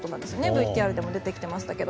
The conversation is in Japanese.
ＶＴＲでも出てきていましたが。